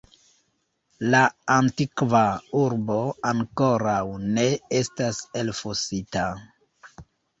La antikva urbo ankoraŭ ne estas elfosita.